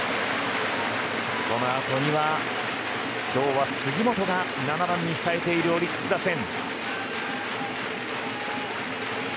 この後には今日は杉本が７番に控えているオリックス打線。